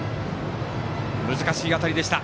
難しい当たりでした。